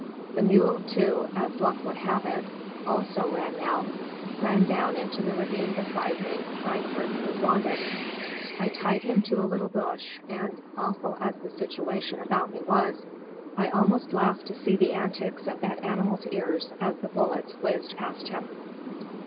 The mule, too, as luck would have it, also ran now, ran down into the ravine beside me, right where he was wanted. I tied him to a little bush and, awful as the situation about me was, I almost laughed to see the antics of that animal's ears as the bullets whizzed past him.